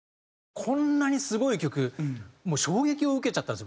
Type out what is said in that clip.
こんなにすごい曲もう衝撃を受けちゃったんですよ